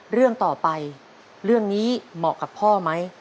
เรื่องต่อไปเรื่องนี้เหมาะกับพ่อไหม